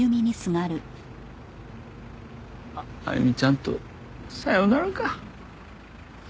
歩ちゃんとさよならか。